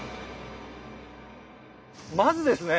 まずですね